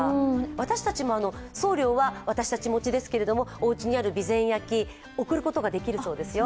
私たちも送料は私たち持ちですけどおうちにある備前焼、送ることができるそうですよ。